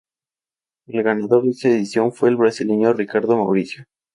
El ganador de esta edición fue el brasileño Ricardo Maurício.